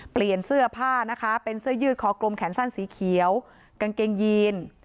เปลี่ยนเสื้อผ้านะคะเป็นเสื้อยืดคอกลมแขนสั้นสีเขียวกางเกงยีน